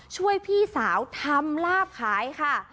ช่วยพี่สาวทำลาบขายค่ะ